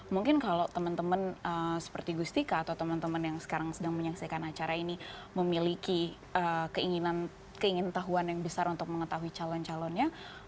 mungkin kalau teman teman seperti gustika atau teman teman yang sekarang sedang menyaksikan acara ini memiliki keingin tahuan yang besar untuk mengetahui calon calonnya